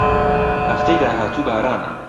هەفتەی داهاتوو بارانە.